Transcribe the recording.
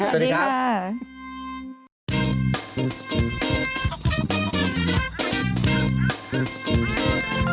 สวัสดีครับสวัสดีค่ะ